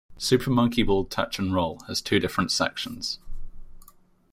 Super Monkey Ball Touch and Roll has two different sections.